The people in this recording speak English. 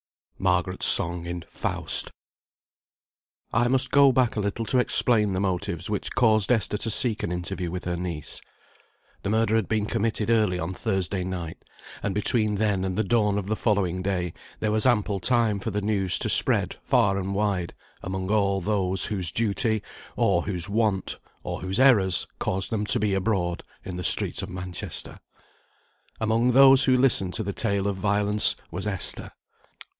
MARGARET'S SONG IN "FAUST." I must go back a little to explain the motives which caused Esther to seek an interview with her niece. The murder had been committed early on Thursday night, and between then and the dawn of the following day there was ample time for the news to spread far and wide among all those whose duty, or whose want, or whose errors, caused them to be abroad in the streets of Manchester. Among those who listened to the tale of violence was Esther.